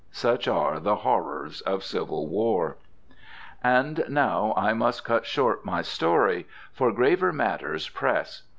Such are the horrors of civil war! And now I must cut short my story, for graver matters press.